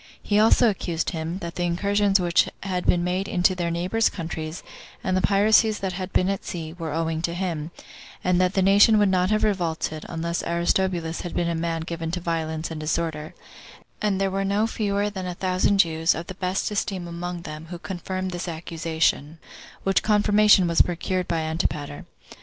He also accused him, that the incursions which had been made into their neighbors' countries, and the piracies that had been at sea, were owing to him; and that the nation would not have revolted, unless Aristobulus had been a man given to violence and disorder; and there were no fewer than a thousand Jews, of the best esteem among them, who confirmed this accusation; which confirmation was procured by Antipater.